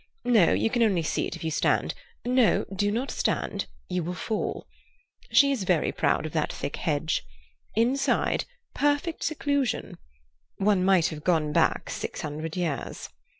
No, you can only see it if you stand—no, do not stand; you will fall. She is very proud of that thick hedge. Inside, perfect seclusion. One might have gone back six hundred years.